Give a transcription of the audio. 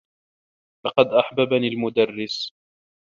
لقد أحببني المدرّس.